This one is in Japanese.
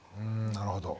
なるほど。